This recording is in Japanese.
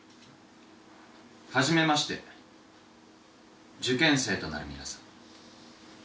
はじめまして受験生となる皆さん。